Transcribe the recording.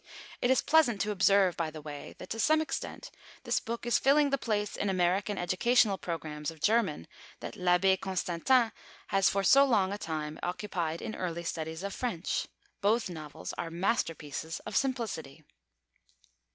It is pleasant to observe, by the way, that to some extent this book is filling the place in American educational programmes of German that L'Abbé Constantin has for so long a time occupied in early studies of French. Both novels are masterpieces of simplicity.